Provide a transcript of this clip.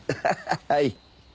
はい。